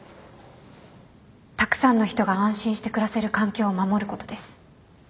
たくさんの人が安心して暮らせる環境を守ることです。